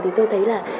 thì tôi thấy là